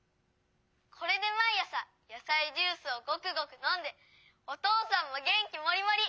「これでまいあさやさいジュースをごくごくのんでおとうさんもげんきもりもり！